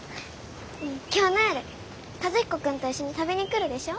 今日の夜和彦君と一緒に食べに来るでしょ。